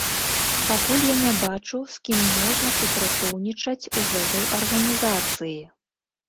Пакуль я не бачу, з кім можна супрацоўнічаць у гэтай арганізацыі.